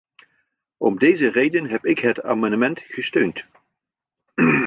Om deze reden heb ik het amendement gesteund.